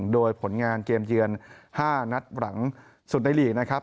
โดยผลงานเกมเยือน๕นัดหลังสุดในลีกนะครับ